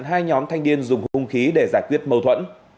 hai nhóm thanh niên dùng hung khí để giải quyết mâu thuẫn